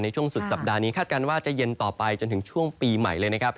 ช่วงสุดสัปดาห์นี้คาดการณ์ว่าจะเย็นต่อไปจนถึงช่วงปีใหม่เลยนะครับ